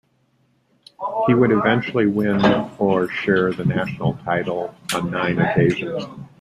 He would eventually win or share the national title on nine occasions.